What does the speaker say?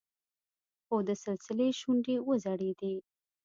خو د سلسلې شونډې وځړېدې.